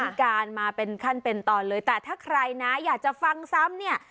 มีการมาเป็นขั้นเป็นตอนเลยแต่ถ้าใครนะอยากจะฟังซ้ำเนี่ย